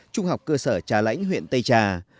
trung học cơ sở trà lãnh huyện tây trà